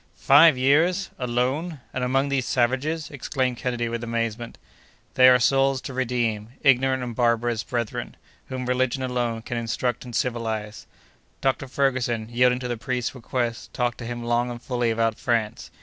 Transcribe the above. "Five years! alone! and among these savages!" exclaimed Kennedy with amazement. "They are souls to redeem! ignorant and barbarous brethren, whom religion alone can instruct and civilize." Dr. Ferguson, yielding to the priest's request, talked to him long and fully about France.